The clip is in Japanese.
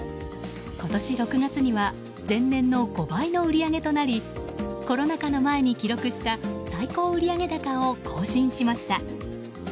今年６月には前年の５倍の売り上げとなりコロナ禍の前に記録した最高売上高を更新しました。